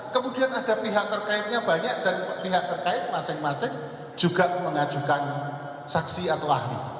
kemudian ada pihak terkaitnya banyak dan pihak terkait masing masing juga mengajukan saksi atau ahli